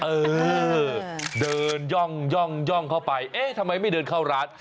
เออเดินย่องเข้าไปเอ๊ะทำไมไม่เดินเข้าร้าน